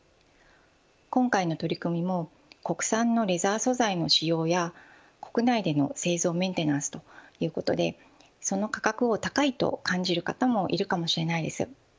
今回の取り組みも国産のレザー素材の使用や国内での製造メンテナンスということでその価格を高いと感じる方もいるかもしれません。